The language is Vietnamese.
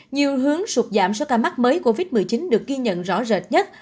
nhiều hướng sụt giảm số ca mắc mới covid một mươi chín được ghi nhận rõ rệt nhất